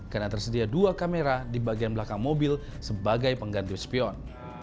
karena tersedia dua kamera di bagian belakang mobil sebagai pengganti spion